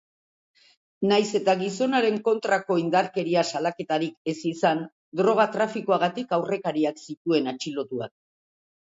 Nahiz eta gizonaren kontrako indarkeria salaketarik ez izan, droga-trafikoagatik aurrekariak zituen atxilotuak.